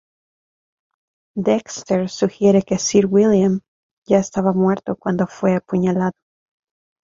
Dexter sugiere que Sir William ya estaba muerto cuando fue apuñalado.